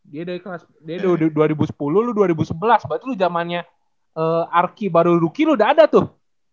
dia dari kelas dua ribu sepuluh lu dua ribu sebelas berarti lu jamannya arki baru ruki lu udah ada tuh